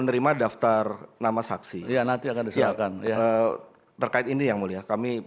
terima daftar nama saksi yang nanti akan diserahkan ya terkait ini yang mulia kami